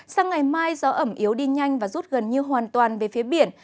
sang ngày mai gió ẩm yếu đi nhanh và rút gần như hoàn toàn về phía biển